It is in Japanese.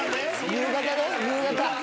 夕方ね夕方。